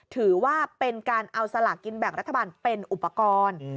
ถือว่าเป็นการเอาสลากกินแบ่งรัฐบาลเป็นอุปกรณ์